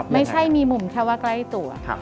ไม่ใช่มีมุมแค่ว่าใกล้ตัว